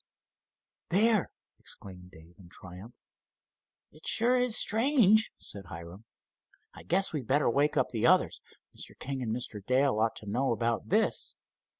"There!" exclaimed Dave in triumph. "It sure is strange," said Hiram. "I guess we'd better wake up the others. Mr. King and Mr. Dale ought to know about this."